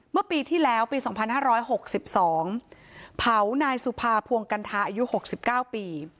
เมื่อปีที่แล้วปี๒๕๖๒เผานายสุภาพวงกัณฑาอายุ๖๙ปี